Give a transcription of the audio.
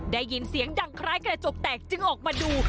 ได้ยินเสียงดังคล้ายกระจกแตกจึงออกมาดู